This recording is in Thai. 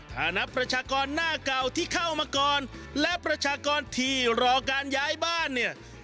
ถ้านับประชากรหน้าเก่าที่เข้ามาก่อนและประชากรที่รอการย้ายบ้านเนี่ย